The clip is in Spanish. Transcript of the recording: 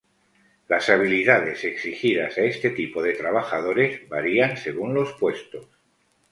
Las habilidades exigidas a este tipo de trabajadores varían según los puestos.